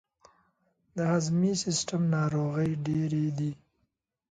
د هضمي سیستم ناروغۍ ډیرې دي.